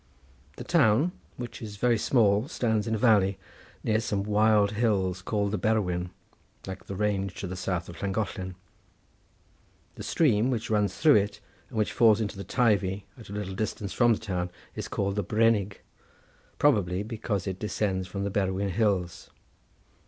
The town, which is very small, stands in a valley, near some wild hills called the Berwyn, like the range to the south of Llangollen. The stream, which runs through it and which falls into the Teivi at a little distance from the town, is called the Brennig, probably because it descends from the Berwyn hills.